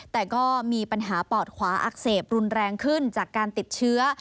แต่ก็มีปัญหาปอดขวาอักเสบรุนแรงขึ้นจากการติดเชื้อ